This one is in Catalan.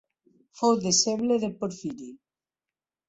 Fou deixeble de Porfiri.